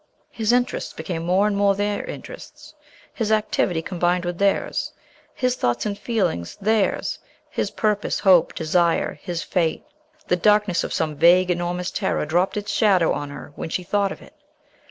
His interests became more and more their interests, his activity combined with theirs, his thoughts and feelings theirs, his purpose, hope, desire, his fate His fate! The darkness of some vague, enormous terror dropped its shadow on her when she thought of it.